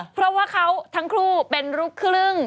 เพราะว่าเขาทั้งคู่เป็นลูกครึ่ง